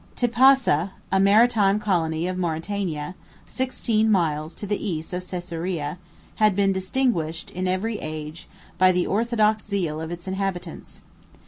Tipasa, 121 a maritime colony of Mauritania, sixteen miles to the east of Caesarea, had been distinguished, in every age, by the orthodox zeal of its inhabitants.